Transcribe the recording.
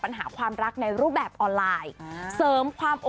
นี่ฉันอยากจะส่งเรื่องที่มันเกิดขึ้นในสังคมทุกวันนี้